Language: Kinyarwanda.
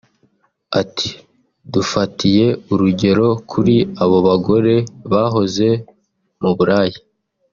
Ati “Dufatiye urugero kuri abo bagore bahoze mu buraya